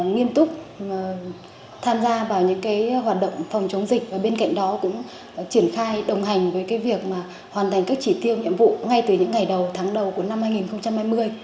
nghiêm túc tham gia vào những hoạt động phòng chống dịch và bên cạnh đó cũng triển khai đồng hành với việc hoàn thành các chỉ tiêu nhiệm vụ ngay từ những ngày đầu tháng đầu của năm hai nghìn hai mươi